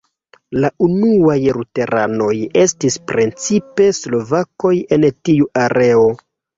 La unuaj luteranoj estis precipe slovakoj en tiu areo.